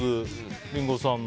リンゴさんも。